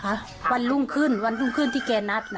วันรุ่งขึ้นวันรุ่งขึ้นที่แกนัดน่ะ